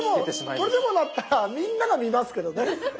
これでも鳴ったらみんなが見ますけどね。